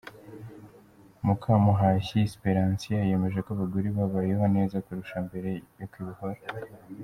Mukamuhashyi Siperansiya yemeza ko abagore babayeho neza kurusha mbere yo kwibohora.